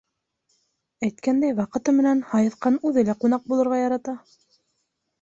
Әйткәндәй, ваҡыты менән һайыҫҡан үҙе лә ҡунаҡ булырға ярата.